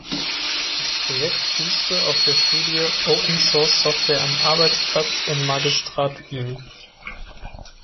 Das Projekt fußte auf der Studie „Open Source Software am Arbeitsplatz im Magistrat Wien“.